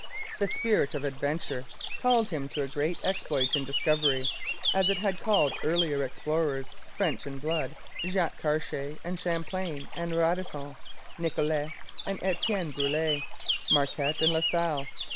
The spirit of adventure called him to a great exploit in discovery, as it had called earlier explorers French in blood Jacques Cartier and Champlain and Radisson, Nicolet and Etienne Brulé, Marquette and La Salle.